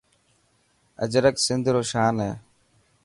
اجرڪ سنڌ رو شان هي.